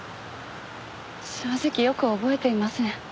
正直よく覚えていません。